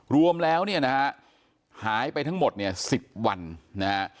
รวมแล้วเนี่ยนะฮะหายไปทั้งหมดเนี่ย๑๐วันนะฮะ